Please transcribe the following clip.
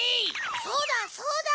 そうだそうだ！